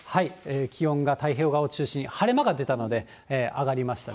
気温が太平洋側を中心、晴れ間が出たので上がりましたね。